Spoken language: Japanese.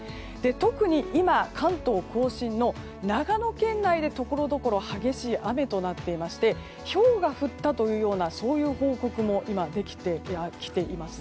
特に今、関東・甲信の長野県内でところどころ激しい雨となっていましてひょうが降ったという報告も出てきています。